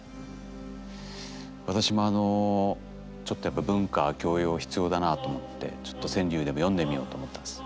私もあのちょっとやっぱ文化教養必要だなと思ってちょっと川柳でも詠んでみようと思ったんです。